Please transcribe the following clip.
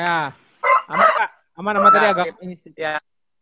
amat kak aman aman tadi agak